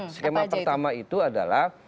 skema pertama itu adalah